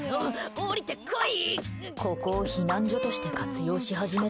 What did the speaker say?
下りてこい！